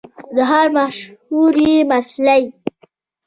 د ښار مشهورې مسلۍ